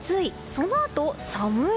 そのあと寒い！